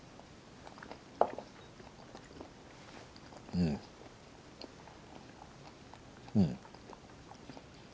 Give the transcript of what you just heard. うんうん。